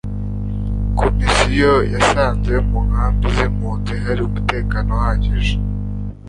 komisiyo yasanze mu nkambi z impunzi hari umutekano uhagije